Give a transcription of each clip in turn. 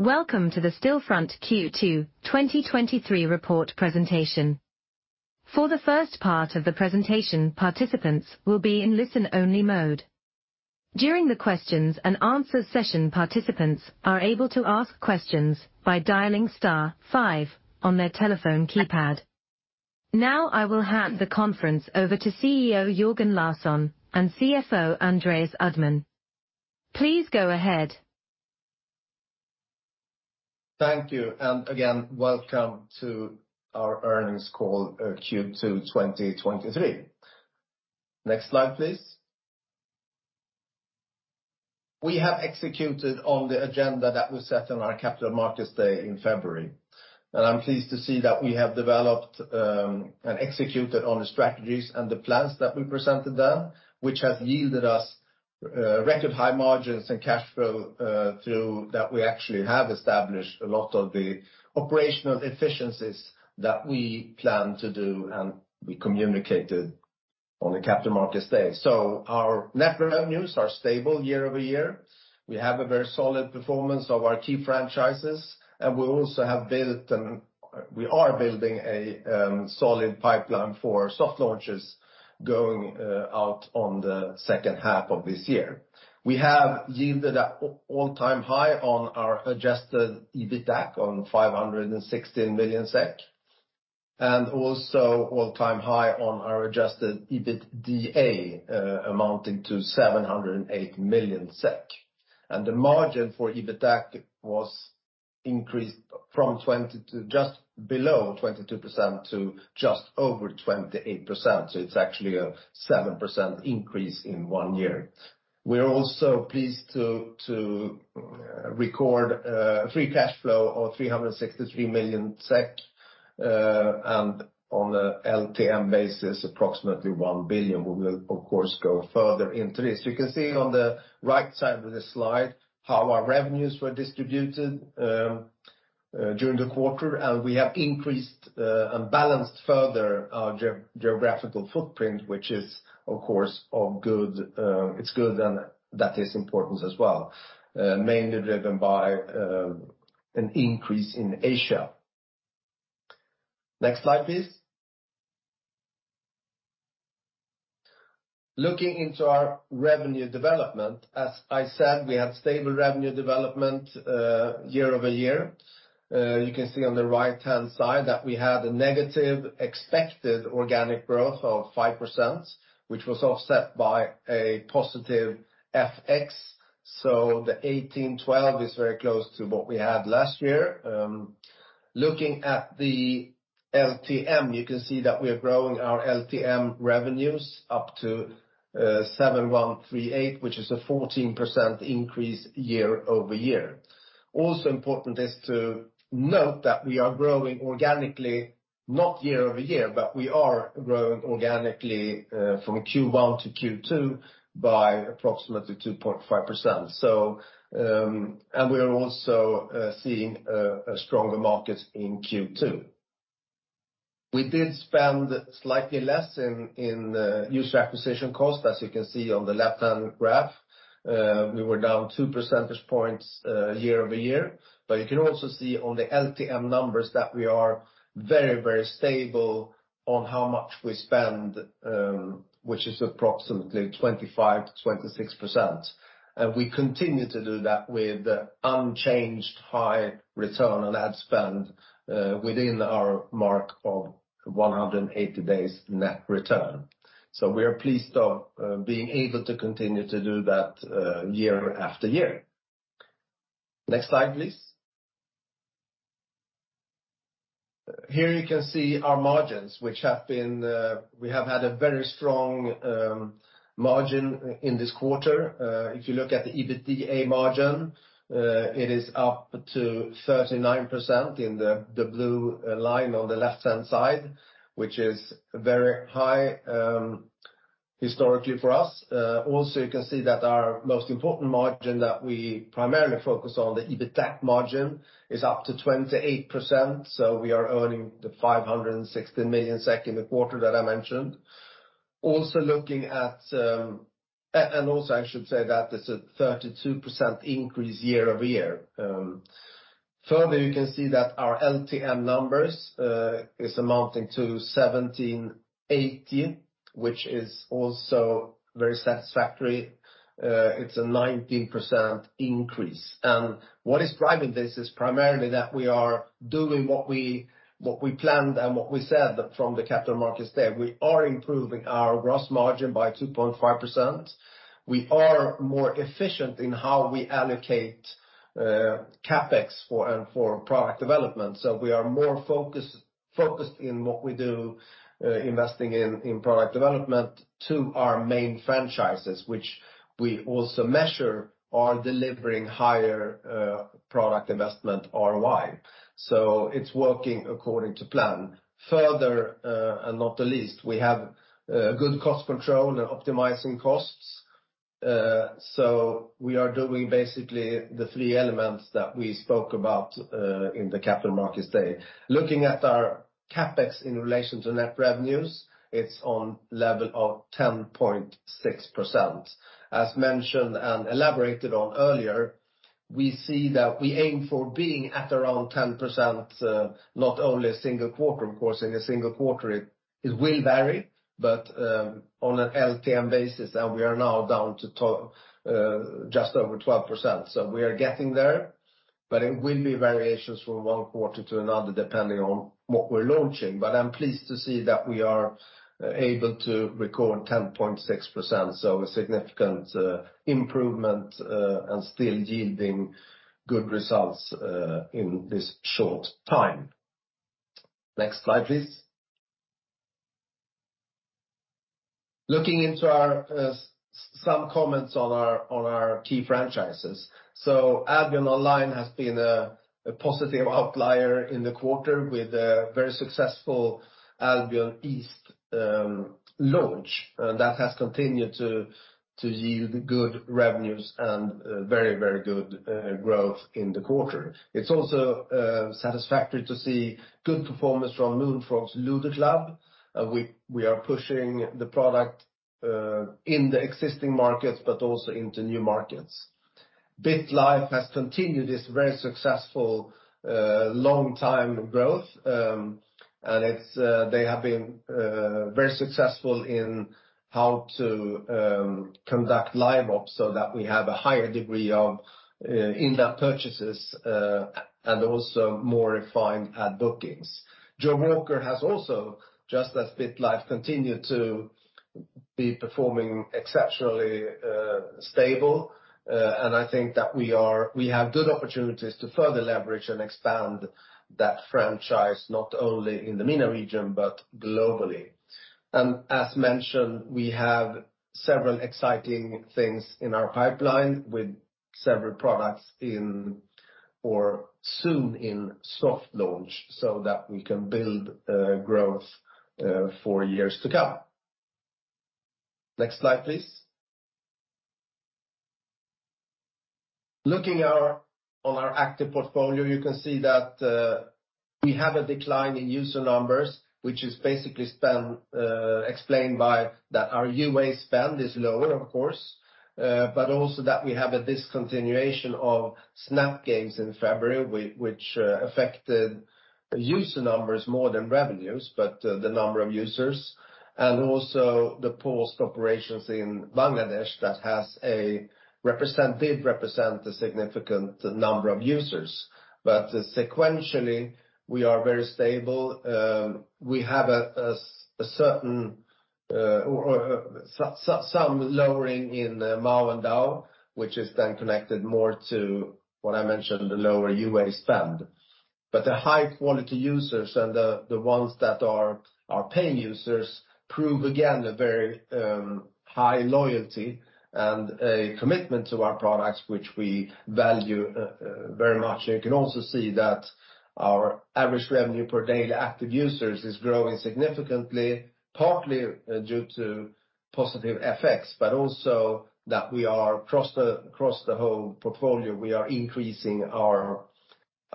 Welcome to the Stillfront Q2 2023 report presentation. For the first part of the presentation, participants will be in listen-only mode. During the questions and answers session, participants are able to ask questions by dialing star five on their telephone keypad. Now, I will hand the conference over to CEO Jörgen Larsson and CFO Andreas Uddman. Please go ahead. Thank you. Again, welcome to our earnings call, Q2 2023. Next slide, please. We have executed on the agenda that was set on our Capital Markets Day in February, and I'm pleased to see that we have developed, and executed on the strategies and the plans that we presented then, which has yielded us, record high margins and cash flow, through that we actually have established a lot of the operational efficiencies that we plan to do, and we communicated on the Capital Markets Day. Our net revenues are stable year-over-year. We have a very solid performance of our key franchises, and we also have built we are building a, solid pipeline for soft launches going, out on the second half of this year. We have yielded a all-time high on our adjusted EBITDAC on 516 million SEK, and also all-time high on our adjusted EBITDA, amounting to 708 million SEK. The margin for EBITDAC was increased from 20 to just below 22% to just over 28%. It's actually a 7% increase in one year. We're also pleased to record free cash flow of 363 million SEK, and on a LTM basis, approximately 1 billion. We will, of course, go further into this. You can see on the right side of the slide how our revenues were distributed during the quarter, and we have increased and balanced further our geographical footprint, which is, of course, of good. It's good, that is important as well, mainly driven by an increase in Asia. Next slide, please. Looking into our revenue development, as I said, we had stable revenue development year-over-year. You can see on the right-hand side that we had a negative expected organic growth of 5%, which was offset by a positive FX. The 1,812 is very close to what we had last year. Looking at the LTM, you can see that we are growing our LTM revenues up to 7,138, which is a 14% increase year-over-year. Also important is to note that we are growing organically, not year-over-year, but we are growing organically from Q1 to Q2 by approximately 2.5%. We are also seeing a stronger market in Q2. We did spend slightly less in user acquisition cost, as you can see on the left-hand graph. We were down two percentage points year-over-year, but you can also see on the LTM numbers that we are very, very stable on how much we spend, which is approximately 25%-26%. We continue to do that with unchanged high return on ad spend within our mark of 180 days net return. We are pleased of being able to continue to do that year after year. Next slide, please. Here you can see our margins, which have been, we have had a very strong margin in this quarter. If you look at the EBITDA margin, it is up to 39% in the blue, line on the left-hand side, which is very high, historically for us. Also, you can see that our most important margin that we primarily focus on, the EBITDAC margin, is up to 28%, so we are earning the 560 million SEK in the quarter that I mentioned. I should say that it's a 32% increase year-over-year. Further, you can see that our LTM numbers is amounting to 1,718, which is also very satisfactory. It's a 19% increase. What is driving this is primarily that we are doing what we planned and what we said from the Capital Markets Day. We are improving our gross margin by 2.5%. We are more efficient in how we allocate CapEx for product development. We are more focused in what we do, investing in product development to our main franchises, which we also measure are delivering higher product investment ROI. It's working according to plan. Further, and not the least, we have good cost control and optimizing costs. We are doing basically the three elements that we spoke about in the Capital Markets Day. Looking at our CapEx in relation to net revenues, it's on level of 10.6%. As mentioned and elaborated on earlier, we see that we aim for being at around 10%, not only a single quarter, of course, in a single quarter, it will vary, but on an LTM basis, and we are now down to just over 12%. We are getting there, but it will be variations from one quarter to another, depending on what we're launching. I'm pleased to see that we are able to record 10.6%, so a significant improvement and still yielding good results in this short time. Next slide, please. Looking into our some comments on our key franchises. Albion Online has been a positive outlier in the quarter with a very successful Albion East launch, and that has continued to yield good revenues and very good growth in the quarter. It's also satisfactory to see good performance from Moonfrog's Ludo club. We are pushing the product in the existing markets, but also into new markets. BitLife has continued its very successful long-time growth, and it's they have been very successful in how to conduct live ops so that we have a higher degree of in-depth purchases and also more refined ad bookings. Jawaker has also, just as BitLife, continued to be performing exceptionally stable, and I think that we have good opportunities to further leverage and expand that franchise, not only in the MENA region, but globally. As mentioned, we have several exciting things in our pipeline with several products in or soon in soft launch so that we can build growth for years to come. Next slide, please. Looking our, on our active portfolio, you can see that we have a decline in user numbers, which is basically spent explained by that our UA spend is lower, of course, but also that we have a discontinuation of Snap Games in February, which affected user numbers more than revenues, but the number of users, and also the paused operations in Bangladesh that did represent a significant number of users. Sequentially, we are very stable, we have a certain or some lowering in MAU and DAU, which is then connected more to what I mentioned, the lower UA spend. The high quality users and the ones that are our paying users prove, again, a very high loyalty and a commitment to our products, which we value very much. You can also see that our average revenue per daily active users is growing significantly, partly due to positive effects, but also that we are across the whole portfolio, we are increasing our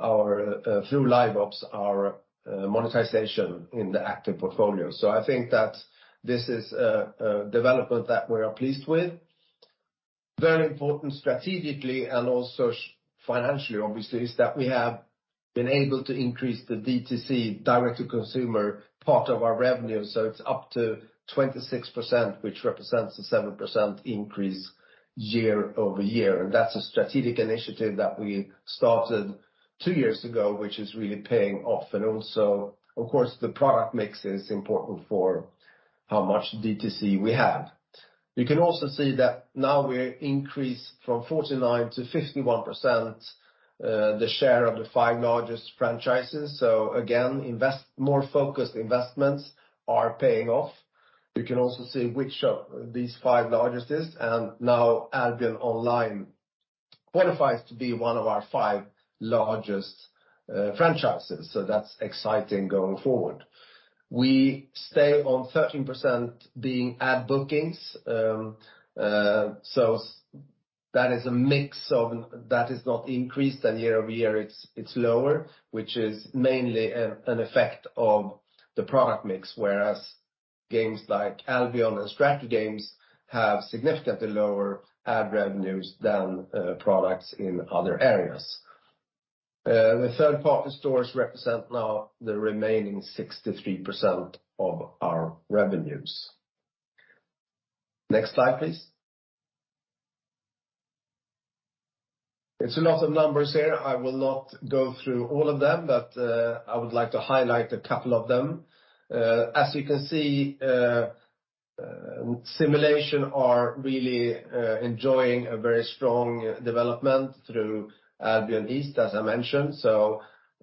through live ops, our monetization in the active portfolio. I think that this is a development that we are pleased with. Very important strategically and also financially, obviously, is that we have been able to increase the DTC, direct-to-consumer, part of our revenue, so it's up to 26%, which represents a 7% increase year-over-year. That's a strategic initiative that we started two years ago, which is really paying off. Also, of course, the product mix is important for how much DTC we have. You can also see that now we're increased from 49% to 51%, the share of the five largest franchises. Again, more focused investments are paying off. You can also see which of these five largest is, and now Albion Online qualifies to be one of our five largest franchises, so that's exciting going forward. We stay on 13% being ad bookings, so that is a mix of... That is not increased and year over year, it's lower, which is mainly an effect of the product mix, whereas games like Albion and strategy games have significantly lower ad revenues than products in other areas. The third-party stores represent now the remaining 63% of our revenues. Next slide, please. It's a lot of numbers here. I will not go through all of them, but I would like to highlight a couple of them. As you can see, simulation are really enjoying a very strong development through Albion East, as I mentioned.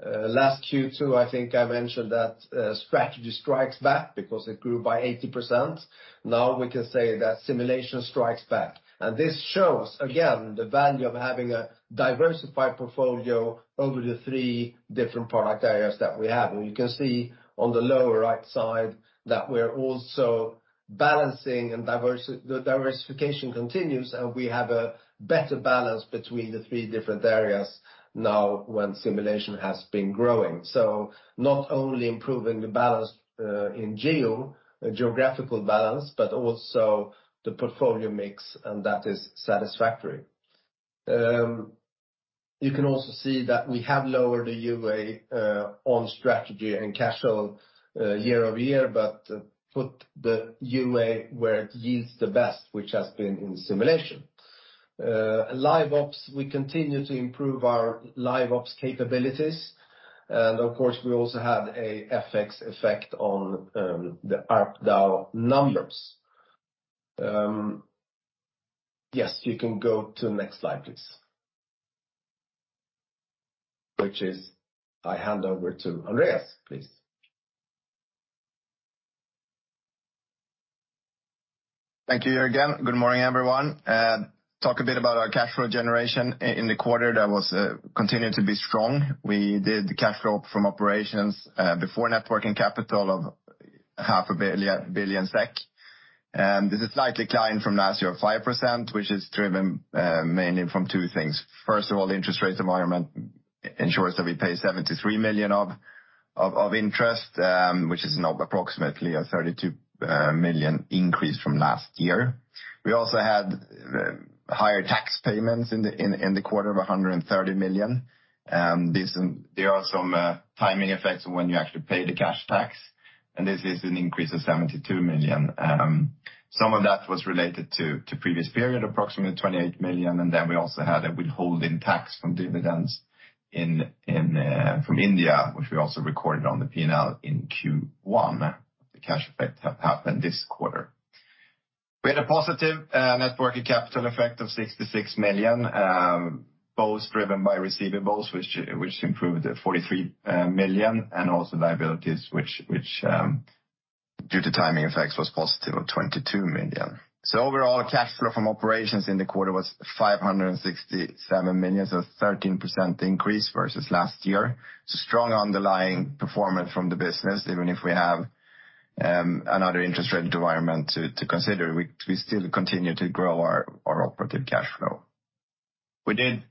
Last Q2, I think I mentioned that strategy strikes back because it grew by 80%. Now, we can say that simulation strikes back. This shows, again, the value of having a diversified portfolio over the three different product areas that we have. You can see on the lower right side that we're also balancing and the diversification continues, and we have a better balance between the three different areas now when simulation has been growing. Not only improving the balance, in geographical balance, but also the portfolio mix, and that is satisfactory. You can also see that we have lowered the UA on strategy and casual year-over-year, put the UA where it yields the best, which has been in simulation. LiveOps, we continue to improve our LiveOps capabilities. Of course, we also had a FX effect on the ARPDAU numbers. You can go to the next slide, please. I hand over to Andreas, please. Thank you, Jörgen. Good morning, everyone. Talk a bit about our cash flow generation in the quarter, that was continued to be strong. We did the cash flow from operations before net working capital of half a billion SEK. This is slightly declined from last year, 5%, which is driven mainly from two things. First of all, the interest rates environment ensures that we pay 73 million of interest, which is now approximately a 32 million increase from last year. We also had higher tax payments in the quarter of 130 million. This, there are some timing effects of when you actually pay the cash tax. This is an increase of 72 million. Some of that was related to previous period, approximately 28 million, and then we also had a withholding tax from dividends in from India, which we also recorded on the P&L in Q1. The cash effect happened this quarter. We had a positive net working capital effect of 66 million, both driven by receivables, which improved 43 million, and also liabilities, due to timing effects, was positive of 22 million. Overall, cash flow from operations in the quarter was 567 million, 13% increase versus last year. Strong underlying performance from the business, even if we have another interest rate environment to consider, we still continue to grow our operative cash flow. We did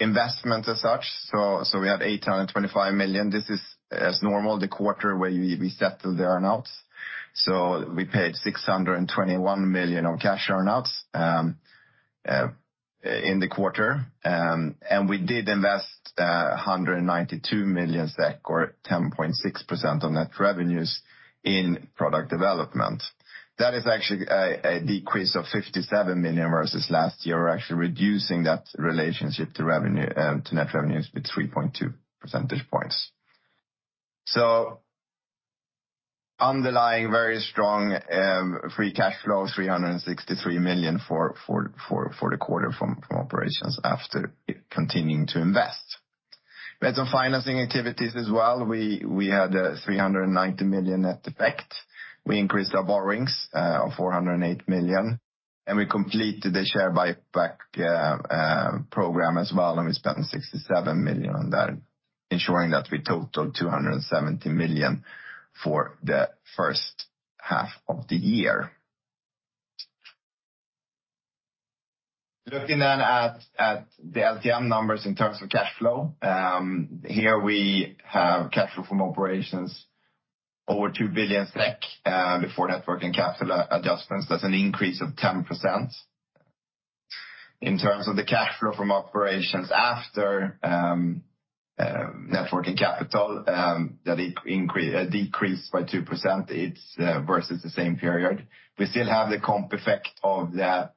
investment as such, we have 825 million. This is as normal, the quarter where we settle the earn outs. we paid 621 million on cash earn outs in the quarter. we did invest 192 million SEK, or 10.6% on net revenues in product development. That is actually a decrease of 57 million versus last year. We're actually reducing that relationship to revenue to net revenues with 3.2 percentage points. underlying very strong free cash flow, 363 million for the quarter from operations after continuing to invest. We had some financing activities as well. We had a 390 million net effect. We increased our borrowings of 408 million. We completed the share buyback program as well. We spent 67 million on that, ensuring that we totaled 270 million for the first half of the year. Looking at the LTM numbers in terms of cash flow, here we have cash flow from operations over 2 billion SEK before net working capital adjustments. That's an increase of 10%. In terms of the cash flow from operations after net working capital, that decreased by 2% versus the same period. We still have the comp effect of the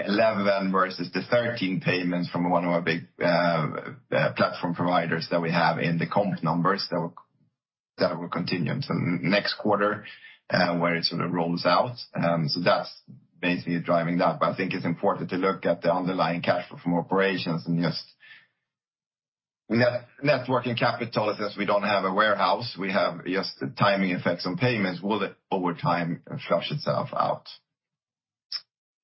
11 versus the 13 payments from one of our big platform providers that we have in the comp numbers. That will continue until next quarter, where it sort of rolls out. That's basically driving that. I think it's important to look at the underlying cash flow from operations and just net-net working capital, as we don't have a warehouse, we have just the timing effects on payments, will over time, flush itself out.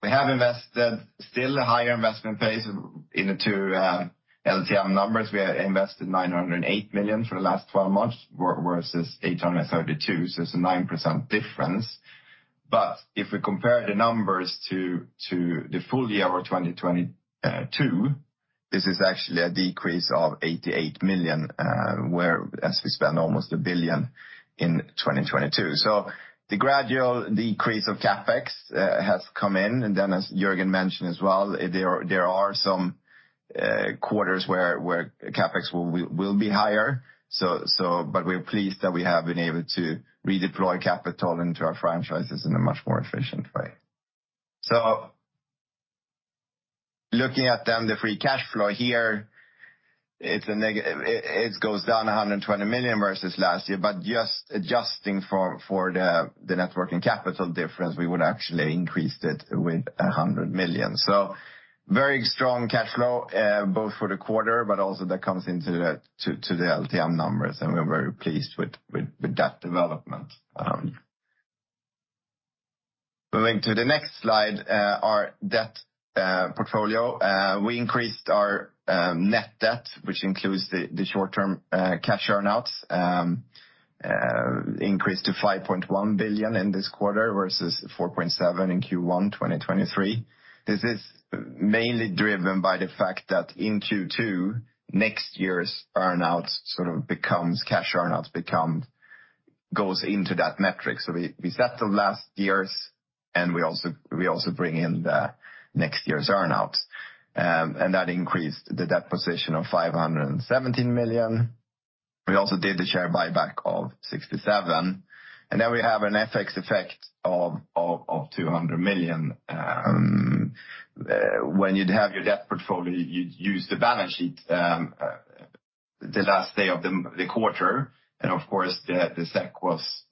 We have invested still a higher investment pace in the two LTM numbers. We have invested 908 million for the last 12 months, versus 832 million. It's a 9% difference. If we compare the numbers to the full year of 2022, this is actually a decrease of 88 million, where as we spent almost 1 billion in 2022. The gradual decrease of CapEx has come in, and then, as Jörgen mentioned as well, there are some quarters where CapEx will be higher. We're pleased that we have been able to redeploy capital into our franchises in a much more efficient way. Looking at then the free cash flow here, it goes down 120 million versus last year, but just adjusting for the net working capital difference, we would actually increased it with 100 million. Very strong cash flow both for the quarter, but also that comes into the LTM numbers, and we're very pleased with that development. Moving to the next slide, our debt portfolio. We increased our net debt, which includes the short-term cash earn-outs, increased to 5.1 billion in this quarter versus 4.7 billion in Q1 2023. This is mainly driven by the fact that in Q2, next year's earn-outs sort of becomes, cash earn-outs goes into that metric. We set the last year's, and we also bring in the next year's earn-outs. That increased the debt position of 517 million. We also did the share buyback of 67, and then we have an FX effect of 200 million. When you'd have your debt portfolio, you'd use the balance sheet the last day of the quarter, and of course, the SEK was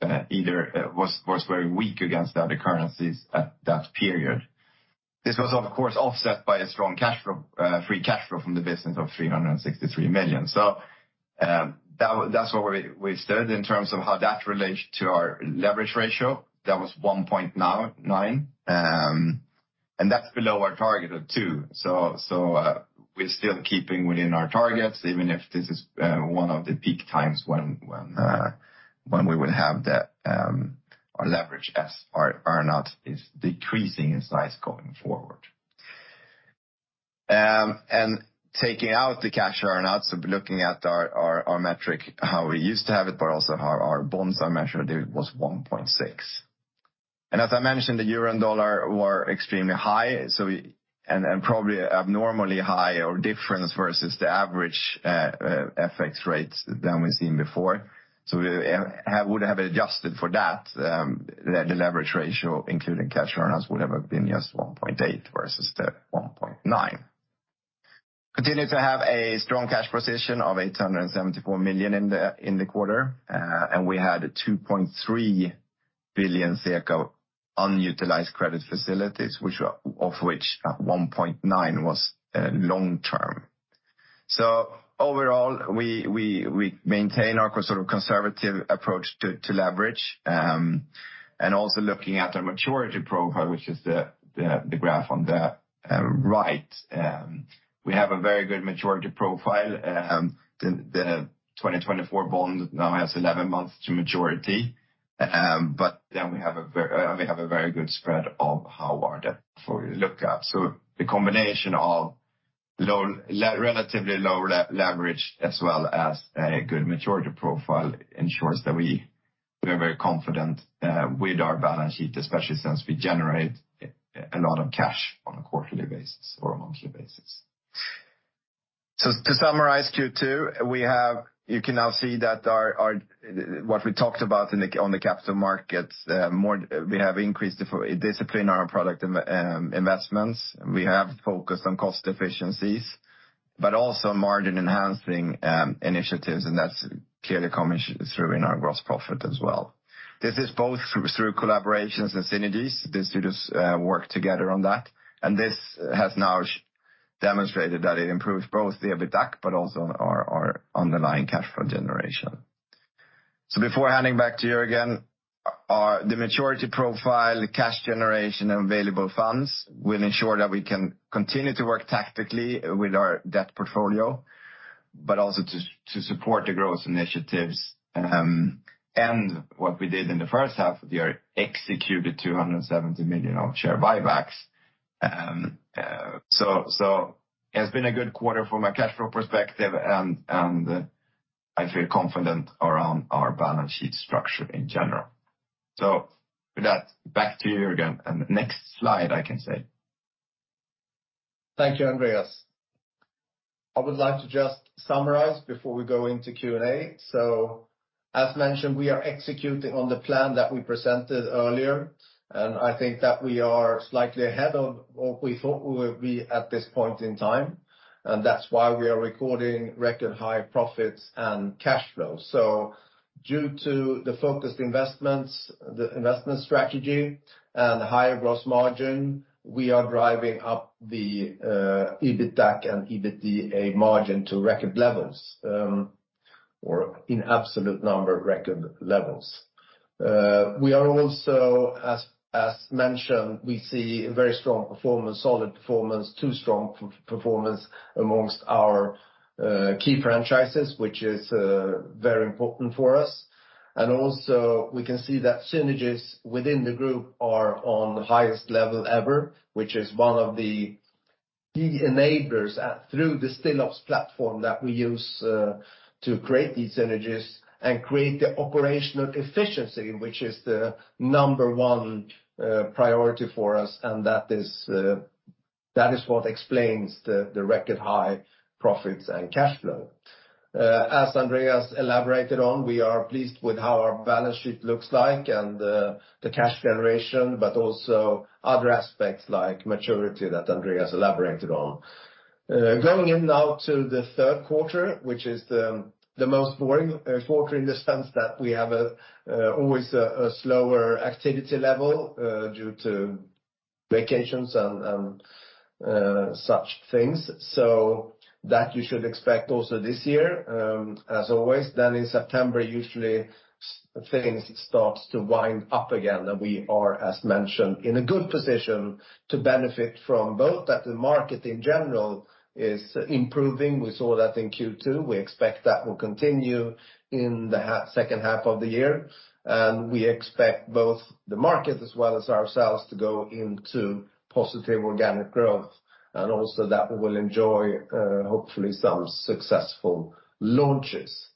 very weak against the other currencies at that period. This was, of course, offset by a strong cash flow, free cash flow from the business of 363 million. That's where we stood in terms of how that relates to our leverage ratio. That was 1.9, and that's below our target of two. We're still keeping within our targets, even if this is one of the peak times when we will have our leverage as our earn-out is decreasing in size going forward. Taking out the cash earn-outs, looking at our metric, how we used to have it, but also how our bonds are measured, it was 1.6. As I mentioned, the euro and dollar were extremely high, probably abnormally high or different versus the average FX rates than we've seen before. We would have adjusted for that, the leverage ratio, including cash earn-outs, would have been just 1.8 versus the 1.9. Continue to have a strong cash position of 874 million in the quarter, and we had 2.3 billion circa unutilized credit facilities, of which 1.9 billion was long-term. Overall, we maintain our sort of conservative approach to leverage, and also looking at the maturity profile, which is the graph on the right. We have a very good maturity profile. The 2024 bond now has 11 months to maturity. We have a very good spread of how our debt for look up. The combination of low, relatively low leverage, as well as a good maturity profile, ensures that we are very confident with our balance sheet, especially since we generate a lot of cash on a quarterly basis or a monthly basis. To summarize Q2, you can now see that our what we talked about in the, on the capital markets more, we have increased discipline on our product investments. We have focused on cost efficiencies, but also margin-enhancing initiatives, and that's clearly coming through in our gross profit as well. This is both through collaborations and synergies. These two work together on that. This has now demonstrated that it improves both the EBITDA, but also our underlying cash flow generation. Before handing back to you again, the maturity profile, the cash generation, and available funds will ensure that we can continue to work tactically with our debt portfolio, but also to support the growth initiatives. What we did in the first half of the year, executed 270 million of share buybacks. It's been a good quarter from a cash flow perspective, and I feel confident around our balance sheet structure in general. With that, back to you again, next slide, I can say. Thank you, Andreas. I would like to just summarize before we go into Q&A. As mentioned, we are executing on the plan that we presented earlier, and I think that we are slightly ahead of what we thought we would be at this point in time, and that's why we are recording record high profits and cash flows. Due to the focused investments, the investment strategy, and higher gross margin, we are driving up the EBITDA and EBITDA margin to record levels, or in absolute number, record levels. We are also, as mentioned, we see a very strong performance, solid performance, too strong performance amongst our key franchises, which is very important for us. Also, we can see that synergies within the group are on the highest level ever, which is one of the key enablers through the Stillops platform that we use to create these synergies and create the operational efficiency, which is the number one priority for us, and that is what explains the record high profits and cash flow. As Andreas elaborated on, we are pleased with how our balance sheet looks like and the cash generation, but also other aspects like maturity that Andreas elaborated on. Going in now to the third quarter, which is the most boring quarter in the sense that we have always a slower activity level due to vacations and such things. That you should expect also this year, as always. In September, usually things starts to wind up again, and we are, as mentioned, in a good position to benefit from both, that the market, in general, is improving. We saw that in Q2. We expect that will continue in the second half of the year. We expect both the market as well as ourselves to go into positive organic growth, and also that we will enjoy, hopefully some successful launches.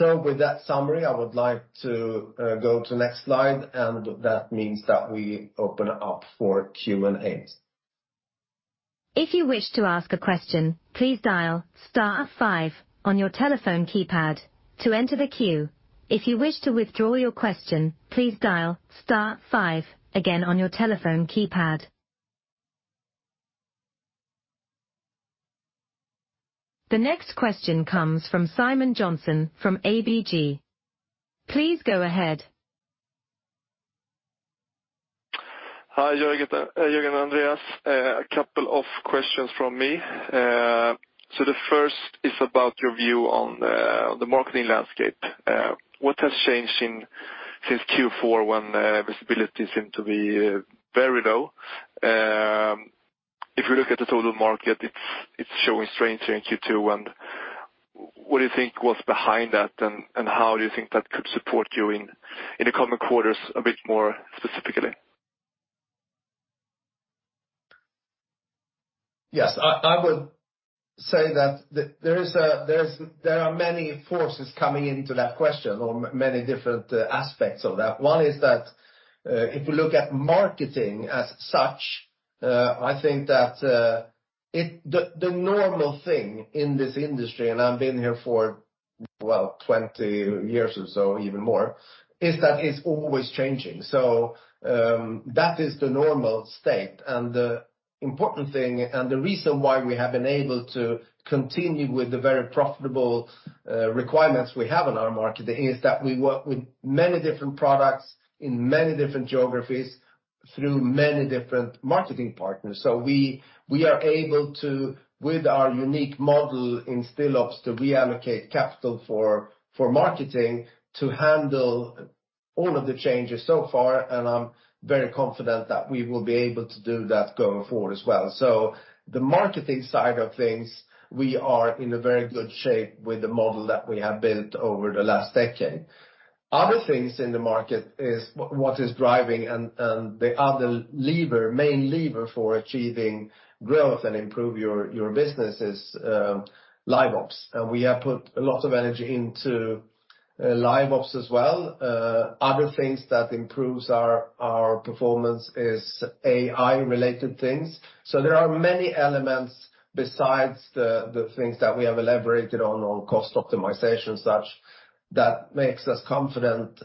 With that summary, I would like to go to next slide, and that means that we open up for Q&A. If you wish to ask a question, please dial star five on your telephone keypad to enter the queue. If you wish to withdraw your question, please dial star five again on your telephone keypad. The next question comes from Simon Jönsson from ABG. Please go ahead. Hi, Jörgen Andreas, a couple of questions from me. The first is about your view on the marketing landscape. What has changed since Q4, when visibility seemed to be very low? If you look at the total market, it's showing strength in Q2, and what do you think was behind that, and how do you think that could support you in the coming quarters a bit more specifically? Yes, I would say that there are many forces coming into that question or many different aspects of that. One is that, if you look at marketing as such, I think that the normal thing in this industry, and I've been here for, well, 20 years or so, even more, is that it's always changing. That is the normal state, and the important thing, and the reason why we have been able to continue with the very profitable requirements we have in our marketing, is that we work with many different products in many different geographies through many different marketing partners. We are able to, with our unique model in Stillops, to reallocate capital for marketing, to handle all of the changes so far, and I'm very confident that we will be able to do that going forward as well. The marketing side of things, we are in a very good shape with the model that we have built over the last decade. Other things in the market is what is driving and the other lever, main lever for achieving growth and improve your business is LiveOps, and we have put a lot of energy into LiveOps as well. Other things that improves our performance is AI-related things. There are many elements besides the things that we have elaborated on cost optimization, such, that makes us confident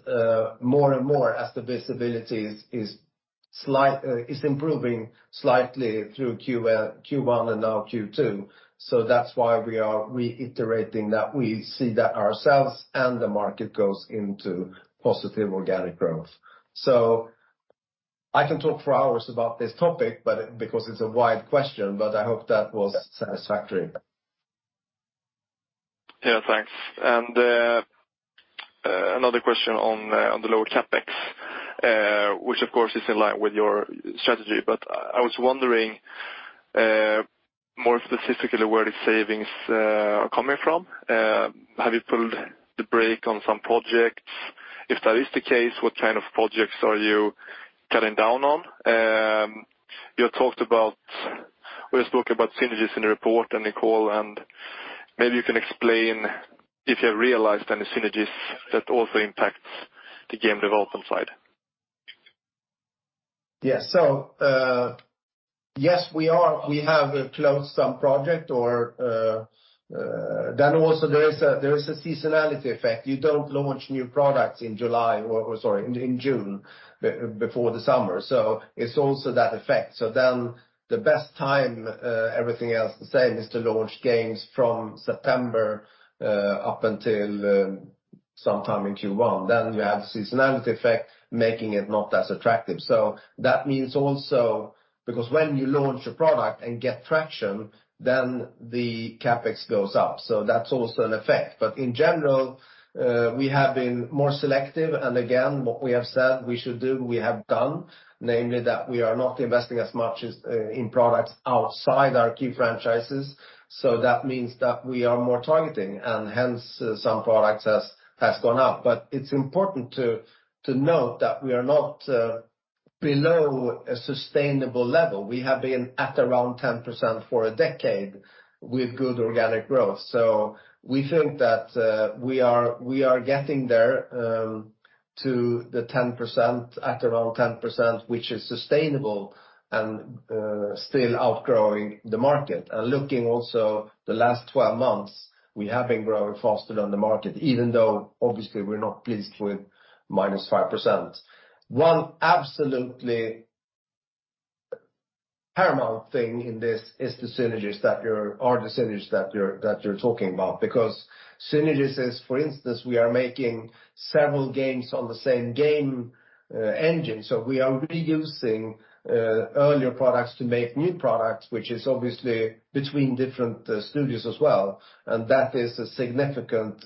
more and more as the visibility is improving slightly through Q1 and now Q2. That's why we are reiterating that we see that ourselves and the market goes into positive organic growth. I can talk for hours about this topic, but because it's a wide question, but I hope that was satisfactory. Yeah, thanks. another question on the lower CapEx, which, of course, is in line with your strategy, but I was wondering more specifically, where the savings are coming from? Have you pulled the brake on some projects? If that is the case, what kind of projects are you cutting down on? We spoke about synergies in the report and the call, and maybe you can explain if you have realized any synergies that also impacts the game development side? Yeah. Yes, we have closed some project or. Also there is a seasonality effect. You don't launch new products in July or, sorry, in June, before the summer, so it's also that effect. The best time, everything else the same, is to launch games from September up until sometime in Q1. You have seasonality effect, making it not as attractive. That means also. Because when you launch a product and get traction, then the CapEx goes up, so that's also an effect. In general, we have been more selective, and again, what we have said we should do, we have done, namely, that we are not investing as much as in products outside our key franchises. That means that we are more targeting, and hence, some products has gone up. It's important to note that we are not below a sustainable level. We have been at around 10% for a decade with good organic growth. We think that we are getting there to the 10%, at around 10%, which is sustainable and still outgrowing the market. Looking also the last 12 months, we have been growing faster than the market, even though obviously we're not pleased with -5%. One paramount thing in this is the synergies that you're talking about. Synergies is, for instance, we are making several games on the same game engine. We are reusing earlier products to make new products, which is obviously between different studios as well, and that is a significant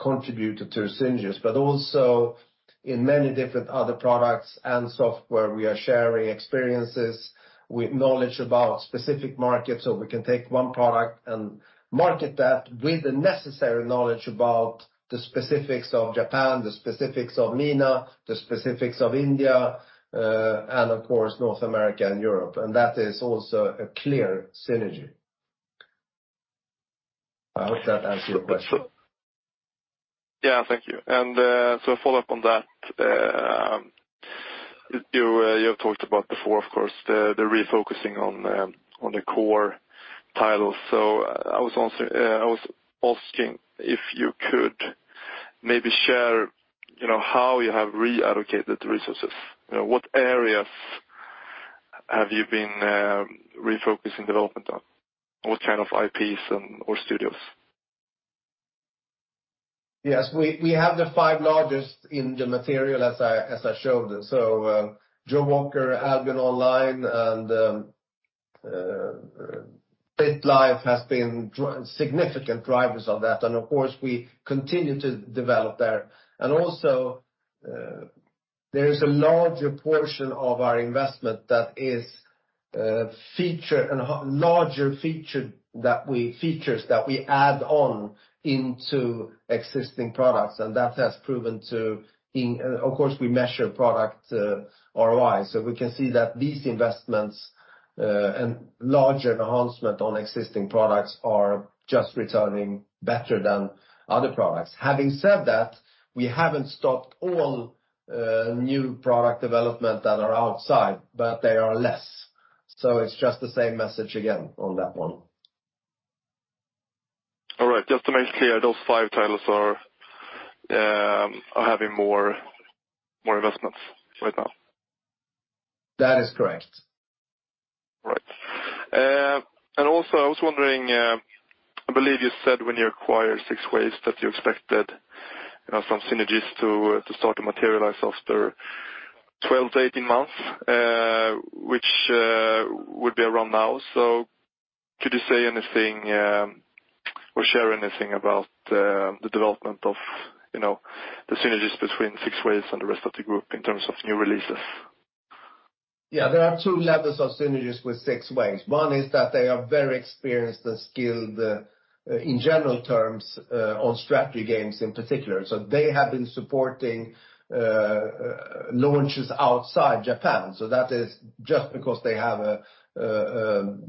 contributor to synergies, but also in many different other products and software, we are sharing experiences with knowledge about specific markets. We can take one product and market that with the necessary knowledge about the specifics of Japan, the specifics of MENA, the specifics of India, and of course, North America and Europe, and that is also a clear synergy. I hope that answers your question. Yeah, thank you. A follow-up on that, you have talked about before, of course, the refocusing on the core title. I was asking if you could maybe share, you know, how you have reallocated resources, you know, what areas have you been refocusing development on? What kind of IPs and or studios? We have the five largest in the material as I showed. Jawaker, Albion Online, and BitLife has been significant drivers of that, and of course, we continue to develop there. Also, there is a larger portion of our investment that is feature and larger features that we add on into existing products, and that has proven to Of course, we measure product, ROI. We can see that these investments and larger enhancement on existing products are just returning better than other products. Having said that, we haven't stopped all new product development that are outside, but they are less. It's just the same message again on that one. All right. Just to make it clear, those five titles are having more investments right now? That is correct. Right. I was wondering, I believe you said when you acquired 6waves that you expected, you know, some synergies to start to materialize after 12-18 months, which would be around now. Could you say anything, or share anything about the development of, you know, the synergies between 6waves and the rest of the group in terms of new releases? There are two levels of synergies with 6waves. One is that they are very experienced and skilled in general terms on strategy games in particular. They have been supporting launches outside Japan. That is just because they have a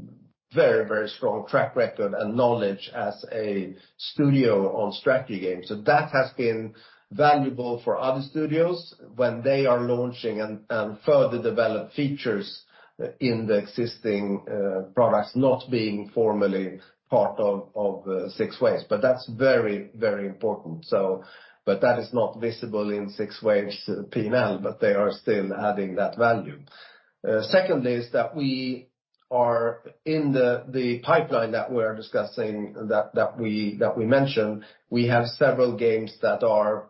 very, very strong track record and knowledge as a studio on strategy games. That has been valuable for other studios when they are launching and further develop features in the existing products not being formally part of 6waves, but that's very, very important. That is not visible in 6waves' P&L, but they are still adding that value. Secondly, is that we are in the pipeline that we mentioned, we have several games that are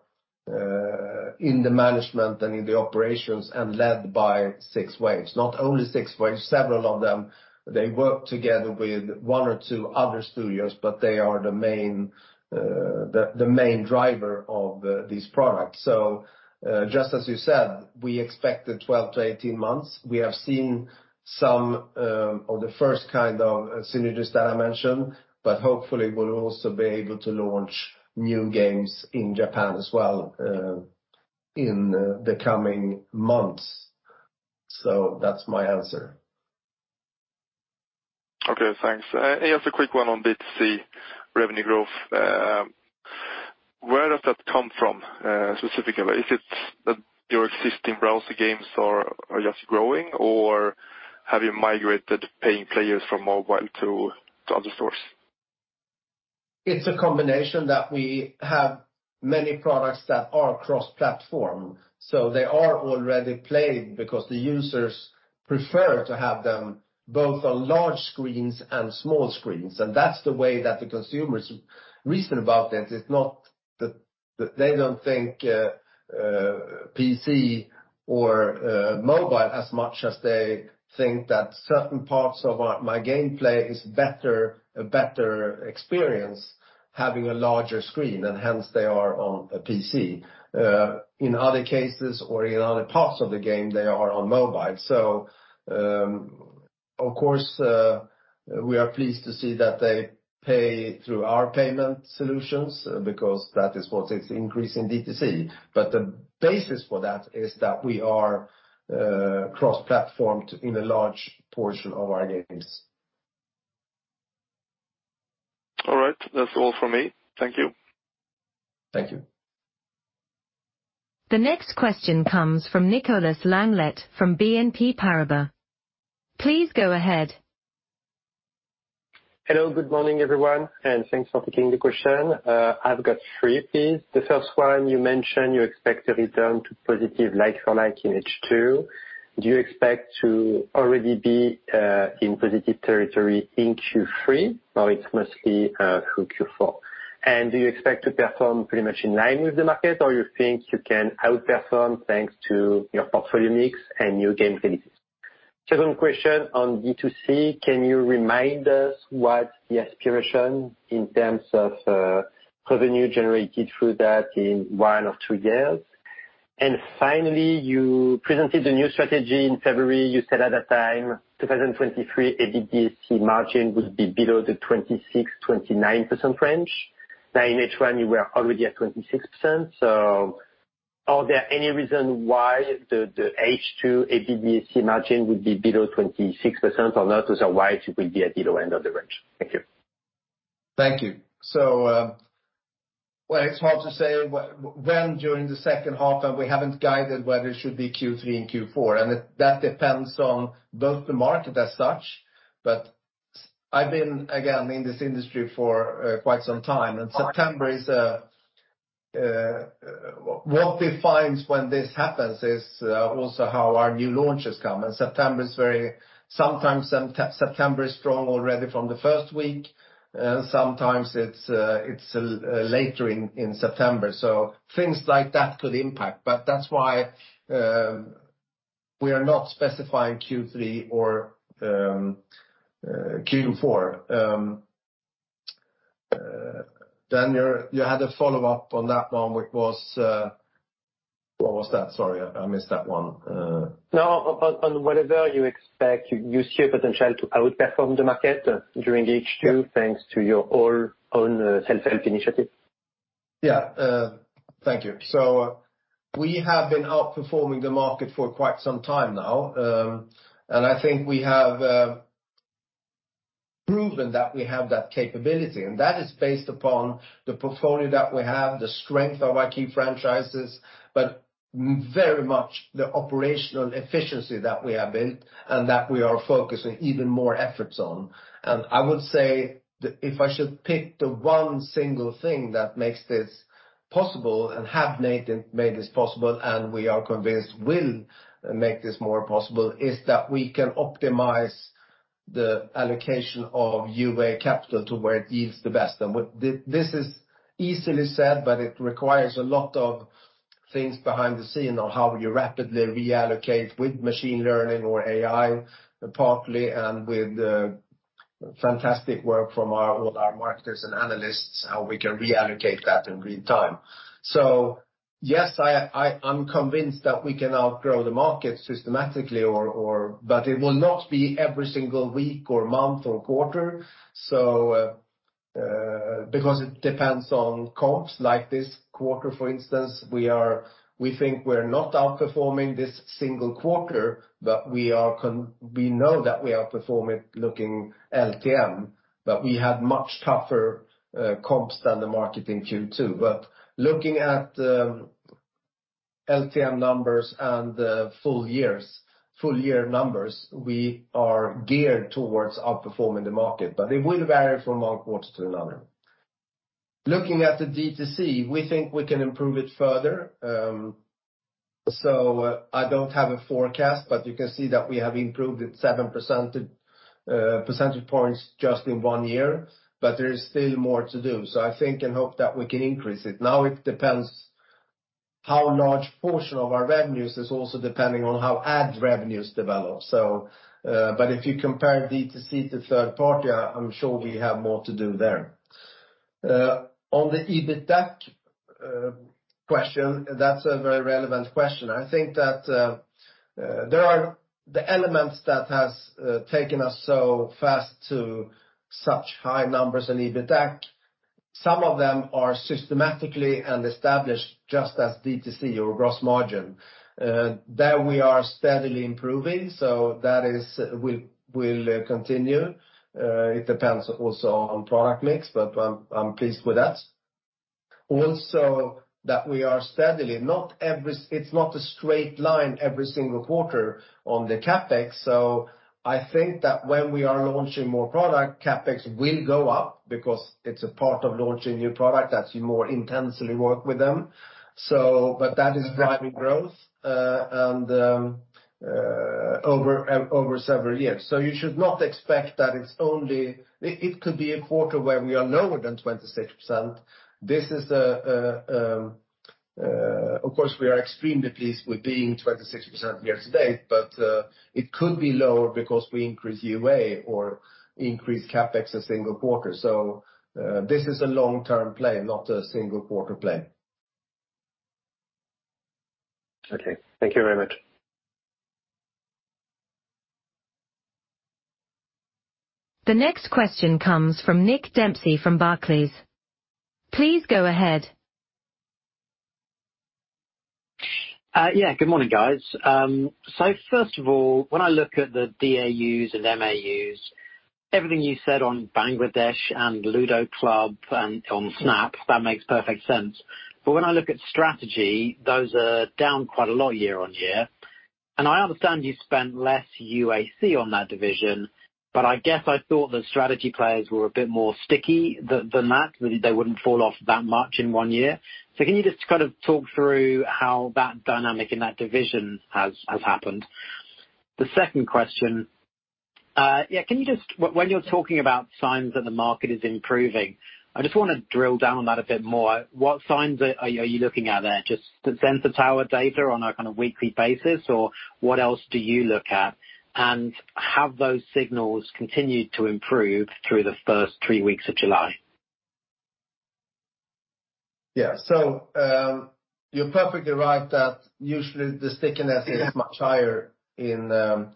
in the management and in the operations and led by 6waves. Not only 6waves, several of them, they work together with one or two other studios, but they are the main driver of these products. Just as you said, we expect the 12-18 months. We have seen some of the first kind of synergies that I mentioned, but hopefully we'll also be able to launch new games in Japan as well in the coming months. That's my answer. Okay, thanks. Just a quick one on B2C revenue growth. Where does that come from specifically? Is it that your existing browser games are just growing, or have you migrated paying players from mobile to other stores? It's a combination that we have many products that are cross-platform, so they are already played because the users prefer to have them both on large screens and small screens, and that's the way that the consumers reason about this. It's not that they don't think PC or mobile as much as they think that certain parts of our gameplay is better, a better experience having a larger screen, and hence they are on a PC. In other cases or in other parts of the game, they are on mobile. Of course, we are pleased to see that they pay through our payment solutions because that is what is increasing DTC. The basis for that is that we are cross-platformed in a large portion of our games. All right. That's all for me. Thank you. Thank you. The next question comes from Nicolas Langlet from BNP Paribas. Please go ahead. Hello, good morning, everyone, and thanks for taking the question. I've got three, please. The first one, you mentioned you expect a return to positive like-for-like in H2. Do you expect to already be in positive territory in Q3, or it's mostly through Q4? And do you expect to perform pretty much in line with the market, or you think you can outperform thanks to your portfolio mix and new game releases? Second question on D2C: Can you remind us what the aspiration in terms of revenue generated through that in 1 or two years? And finally, you presented the new strategy in February. You said at that time, 2023 EBITDA margin would be below the 26%-29% range. In H1, you were already at 26%, are there any reason why the H2 EBITDA margin would be below 26% or not? It will be at the lower end of the range. Thank you. Thank you. Well, it's hard to say when during the second half. We haven't guided whether it should be Q3 and Q4. That depends on both the market as such. I've been, again, in this industry for quite some time. September is... What defines when this happens is also how our new launches come. September is very sometimes September is strong already from the first week. Sometimes it's later in September. Things like that could impact. That's why we are not specifying Q3 or Q4. Dan, you had a follow-up on that one, which was... What was that? Sorry, I missed that one. No, on whether you expect you see a potential to outperform the market during H2, thanks to your all-on self-help initiative. Yeah. Thank you. We have been outperforming the market for quite some time now, and I think we have proven that we have that capability, and that is based upon the portfolio that we have, the strength of our key franchises, but very much the operational efficiency that we have built and that we are focusing even more efforts on. I would say that if I should pick the one single thing that makes this possible and have made this possible, and we are convinced will make this more possible, is that we can optimize the allocation of UA capital to where it yields the best. This is easily said, but it requires a lot of things behind the scene on how you rapidly reallocate with machine learning or AI, partly, and with fantastic work from our, all our marketers and analysts, how we can reallocate that in real time. Yes, I'm convinced that we can outgrow the market systematically or. It will not be every single week or month or quarter, so, because it depends on comps. Like this quarter, for instance, we think we're not outperforming this single quarter, but we know that we outperform it looking LTM, but we had much tougher comps than the market in Q2. Looking at the LTM numbers and the full year numbers, we are geared towards outperforming the market, but it will vary from one quarter to another. Looking at the D2C, we think we can improve it further. I don't have a forecast, but you can see that we have improved it seven percentage points just in one year, but there is still more to do. I think and hope that we can increase it. Now, it depends how large portion of our revenues is also depending on how ad revenues develop. If you compare D2C to third party, I'm sure we have more to do there. On the EBITDAC question, that's a very relevant question. I think that there are the elements that has taken us so fast to such high numbers in EBITDAC. Some of them are systematically and established, just as D2C or gross margin. There, we are steadily improving, so that is will continue. It depends also on product mix, but I'm pleased with that. Also, that we are steadily, it's not a straight line every single quarter on the CapEx, so I think that when we are launching more product, CapEx will go up because it's a part of launching new product, as you more intensely work with them. But that is driving growth, and over several years. You should not expect that it's only... It could be a quarter where we are lower than 26%. This is the, of course, we are extremely pleased with being 26% year to date, but it could be lower because we increase UA or increase CapEx a single quarter. This is a long-term play, not a single quarter play. Okay. Thank you very much. The next question comes from Nick Dempsey from Barclays. Please go ahead. Good morning, guys. First of all, when I look at the DAUs and MAUs, everything you said on Bangladesh and Ludo Club and on Snap, that makes perfect sense. When I look at strategy, those are down quite a lot year on year. I understand you spent less UAC on that division, I guess I thought the strategy players were a bit more sticky than that, maybe they wouldn't fall off that much in one year. Can you just kind of talk through how that dynamic in that division has happened? When you're talking about signs that the market is improving, I just wanna drill down on that a bit more. What signs are you looking at there? Just the Sensor Tower data on a kind of weekly basis, or what else do you look at? Have those signals continued to improve through the first three weeks of July? You're perfectly right that usually the stickiness is much higher in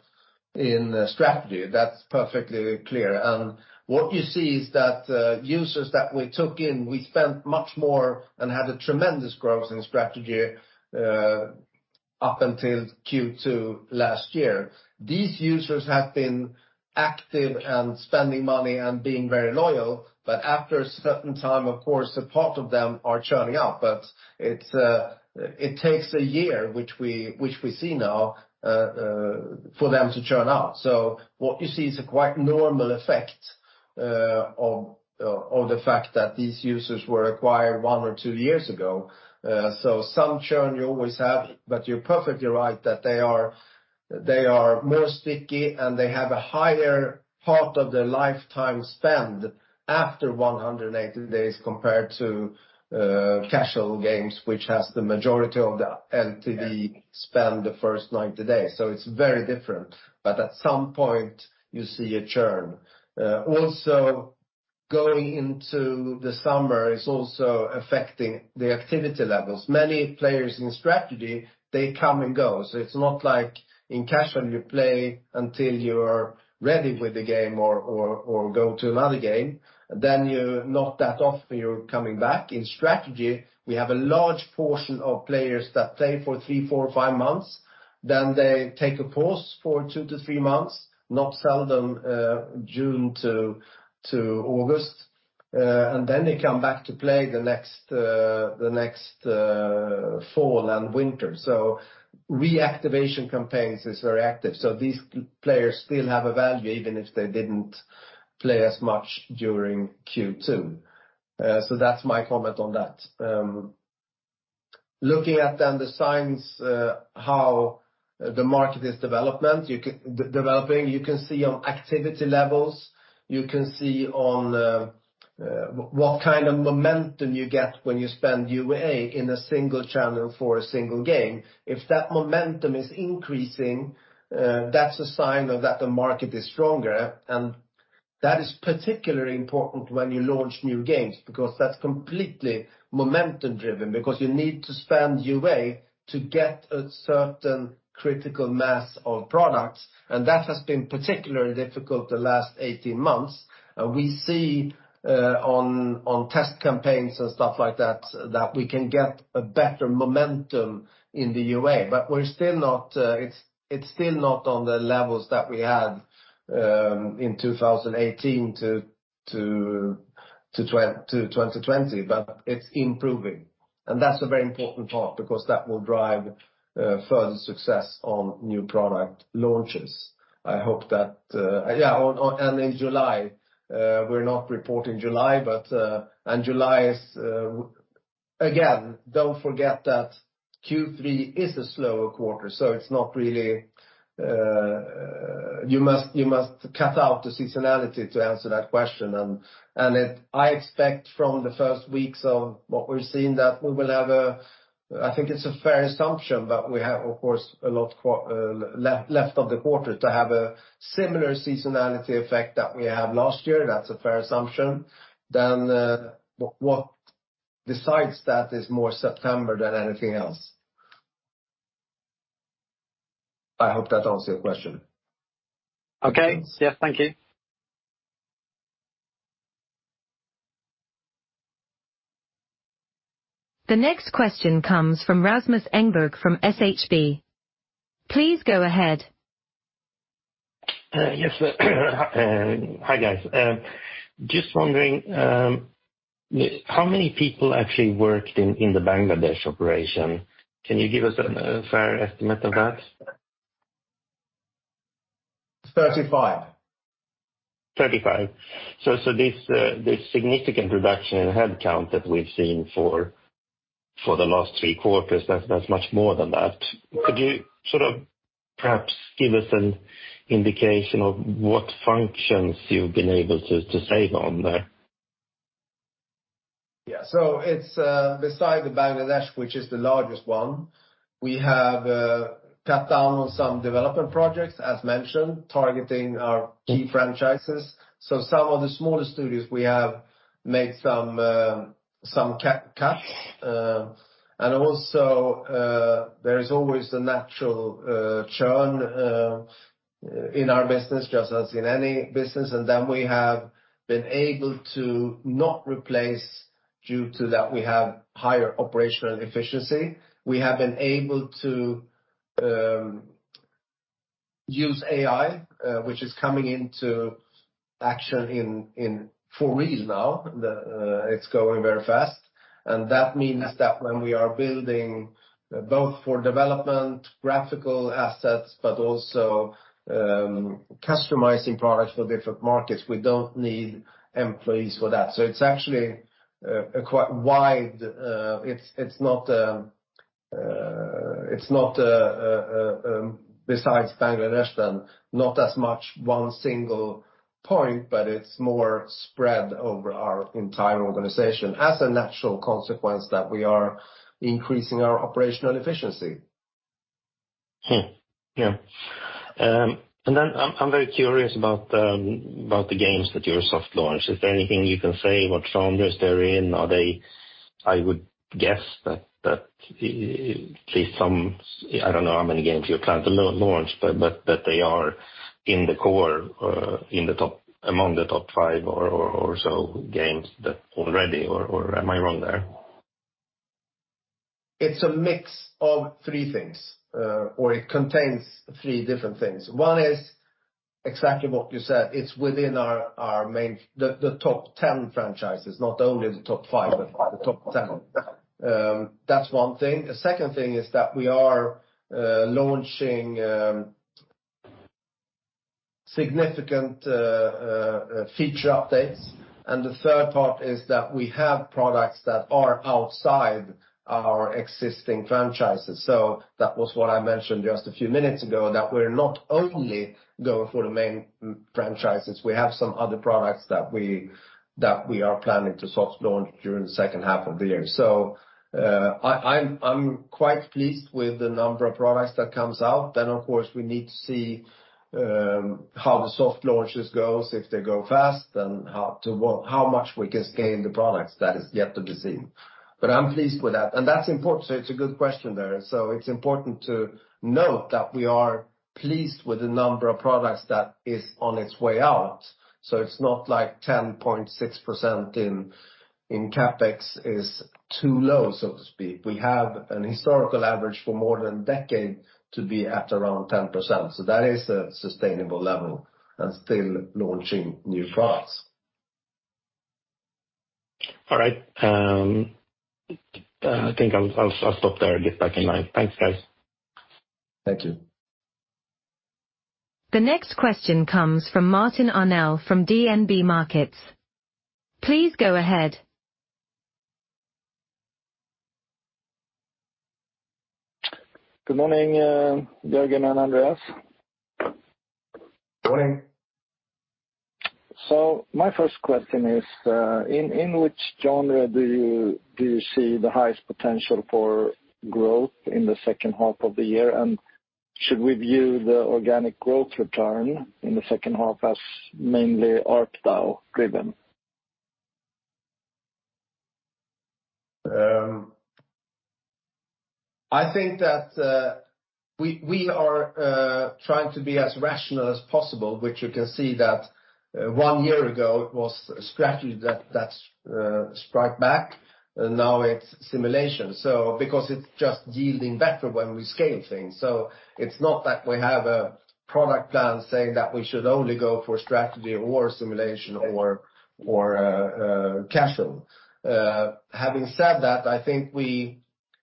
strategy. That's perfectly clear. What you see is that users that we took in, we spent much more and had a tremendous growth in strategy up until Q2 last year. These users have been active and spending money and being very loyal, but after a certain time, of course, a part of them are churning out. It takes a year, which we see now, for them to churn out. What you see is a quite normal effect of the fact that these users were acquired one or two years ago. Some churn you always have, but you're perfectly right, that they are more sticky, and they have a higher part of their lifetime spend after 180 days compared to casual games, which has the majority of the LTV spend the first 90 days. It's very different, but at some point you see a churn. Also, going into the summer is also affecting the activity levels. Many players in strategy, they come and go, so it's not like in casual, you play until you're ready with the game or go to another game, then you're not that often you're coming back. In strategy, we have a large portion of players that play for three, four, five months, then they take a pause for two to three months, not seldom, June to August, and then they come back to play the next fall and winter. Reactivation campaigns is very active, so these players still have a value even if they didn't play as much during Q2. That's my comment on that. Looking at then the signs, how the market is developing, you can see on activity levels, you can see on what kind of momentum you get when you spend UA in a single channel for a single game. If that momentum is increasing, that's a sign that the market is stronger. That is particularly important when you launch new games, because that's completely momentum-driven, because you need to spend UA to get a certain critical mass of products. That has been particularly difficult the last 18 months. We see on test campaigns and stuff like that we can get a better momentum in the UA, but we're still not, it's still not on the levels that we had in 2018-2020. It's improving, and that's a very important part because that will drive further success on new product launches. I hope that. In July, we're not reporting July, but July is. Don't forget that Q3 is a slower quarter, it's not really, you must cut out the seasonality to answer that question. I expect from the first weeks of what we're seeing, that we will have I think it's a fair assumption, we have, of course, a lot left of the quarter to have a similar seasonality effect that we had last year. That's a fair assumption. What besides that is more September than anything else. I hope that answers your question. Okay. Yeah. Thank you. The next question comes from Rasmus Engberg, from SHB. Please go ahead. Yes. Hi, guys. Just wondering, how many people actually worked in the Bangladesh operation? Can you give us a fair estimate of that? 35. 35. This significant reduction in headcount that we've seen for the last three quarters, that's much more than that. Could you sort of perhaps give us an indication of what functions you've been able to save on there? Yeah. It's, beside the Bangladesh, which is the largest one, we have cut down on some development projects, as mentioned, targeting our key franchises. Some of the smaller studios, we have made some cuts. There is always the natural churn in our business, just as in any business. We have been able to not replace, due to that, we have higher operational efficiency. We have been able to use AI, which is coming into action in for real now. It's going very fast. That means that when we are building both for development, graphical assets, but also customizing products for different markets, we don't need employees for that. It's actually, a quite wide, it's not, besides Bangladesh, then not as much one single point, but it's more spread over our entire organization as a natural consequence that we are increasing our operational efficiency. Yeah. I'm very curious about the games that you're soft launched. Is there anything you can say? What genres they're in? I would guess that, I don't know how many games you plan to launch, but that they are in the core, in the top, among the top five or so games that already, or am I wrong there? It's a mix of three things, or it contains three different things. One is exactly what you said, it's within our main the top 10 franchises, not only the top five, but the top 10. That's one thing. The second thing is that we are launching significant feature updates. The third part is that we have products that are outside our existing franchises. That was what I mentioned just a few minutes ago, that we're not only going for the main franchises. We have some other products that we are planning to soft launch during the second half of the year. I'm, I'm quite pleased with the number of products that comes out. Of course, we need to see how the soft launches goes, if they go fast, and how much we can scale the products. That is yet to be seen, but I'm pleased with that, and that's important. It's a good question there. It's important to note that we are pleased with the number of products that is on its way out, so it's not like 10.6% in CapEx is too low, so to speak. We have an historical average for more than a decade to be at around 10%, so that is a sustainable level and still launching new products. All right, I think I'll stop there and get back in line. Thanks, guys. Thank you. The next question comes from Martin Arnell from DNB Markets. Please go ahead. Good morning, Jörgen and Andreas. Morning. My first question is, in which genre do you see the highest potential for growth in the second half of the year? Should we view the organic growth return in the second half as mainly ARPDAU driven? Um, I think that, uh, we, we are, uh, trying to be as rational as possible, which you can see that, uh, one year ago it was strategy that, that, uh, strike back, and now it's simulation. So because it's just yielding better when we scale things. So it's not that we have a product plan saying that we should only go for strategy or simulation or, or, uh, uh, casual. Uh, having said that, I think we,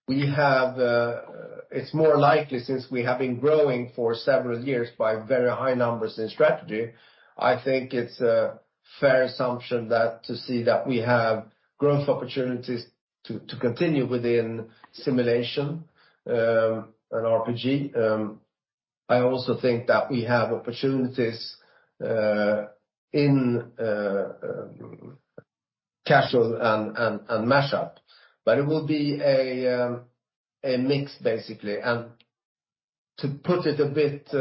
we have, uh... It's more likely, since we have been growing for several years by very high numbers in strategy, I think it's a fair assumption that to see that we have growth opportunities to, to continue within simulation, um, and RPG. Um, I also think that we have opportunities, uh, in, uh, um, casual and, and, and mashup, but it will be a, um, a mix, basically. To put it a bit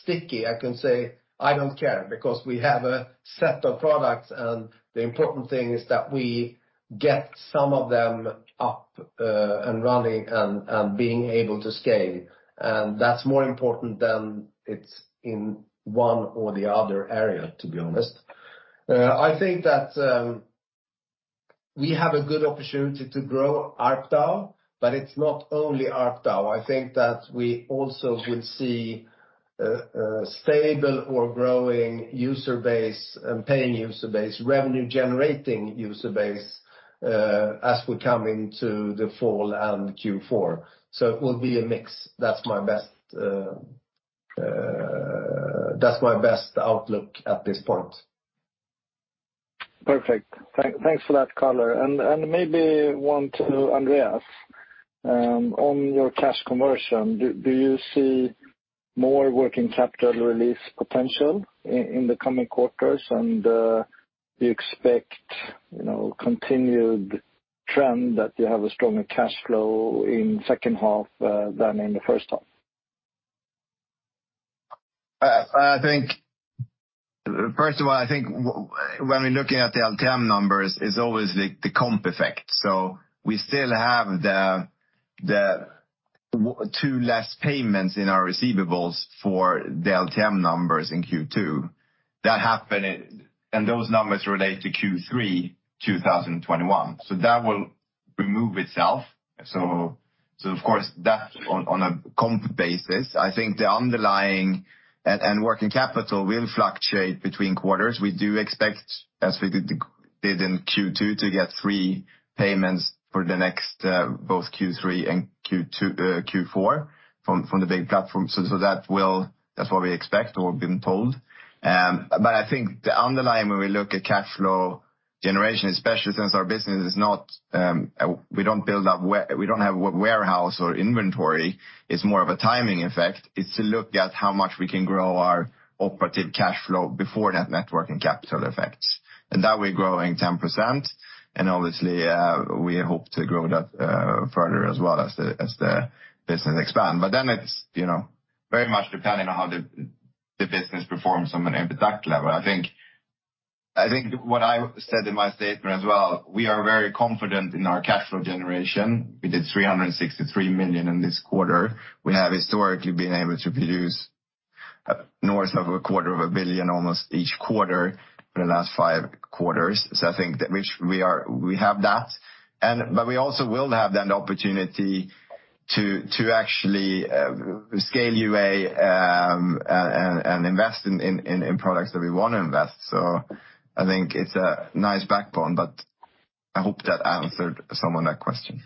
sticky, I can say I don't care, because we have a set of products, and the important thing is that we get some of them up and running and being able to scale. That's more important than it's in one or the other area, to be honest. I think that we have a good opportunity to grow ARPDAU, but it's not only ARPDAU. I think that we also will see a stable or growing user base and paying user base, revenue generating user base, as we come into the fall and Q4. It will be a mix. That's my best outlook at this point. Perfect. Thanks for that color. Maybe one to Andreas, on your cash conversion, do you see more working capital release potential in the coming quarters? Do you expect, you know, continued trend that you have a stronger cash flow in second half than in the first half? I think, first of all, I think when we're looking at the LTM numbers, it's always the comp effect. We still have the two less payments in our receivables for the LTM numbers in Q2. Those numbers relate to Q3, 2021.... remove itself. Of course, that on a comp basis, I think the underlying and working capital will fluctuate between quarters. We do expect, as we did in Q2, to get three payments for the next, both Q3 and Q2, Q4, from the big platform. That's what we expect or have been told. I think the underlying, when we look at cash flow generation, especially since our business is not, we don't build up we don't have warehouse or inventory, it's more of a timing effect. It's to look at how much we can grow our operating cash flow before that net working capital effects. That we're growing 10%, and obviously, we hope to grow that further as well as the business expand. It's, you know, very much depending on how the business performs on an EBITDA level. I think what I said in my statement as well, we are very confident in our cash flow generation. We did 363 million in this quarter. We have historically been able to produce north of a quarter of a billion, almost each quarter for the last five quarters. I think that which we have that. We also will have then the opportunity to actually scale UA and invest in products that we wanna invest. I think it's a nice backbone, but I hope that answered some of that question.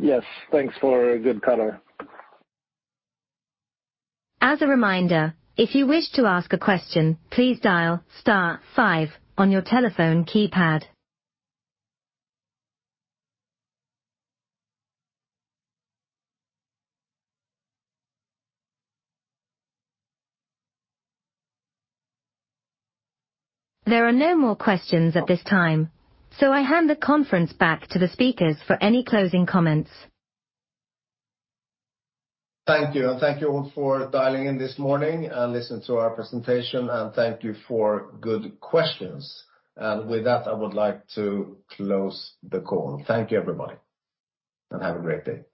Yes. Thanks for a good color. As a reminder, if you wish to ask a question, please dial star five on your telephone keypad. There are no more questions at this time, I hand the conference back to the speakers for any closing comments. Thank you. Thank you all for dialing in this morning and listening to our presentation, and thank you for good questions. With that, I would like to close the call. Thank you, everybody, and have a great day.